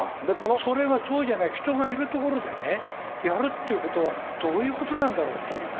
それがそうじゃない、人がいる所でね、やるっていうことはどういうことなんだろうっていうね。